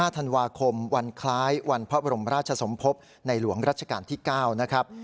ธันวาคมวันคล้ายวันพระบรมราชสมภพในหลวงรัชกาลที่๙นะครับ